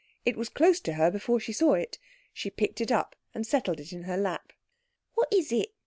It was close to her before she saw it. She picked it up and settled it in her lap. "What is it?"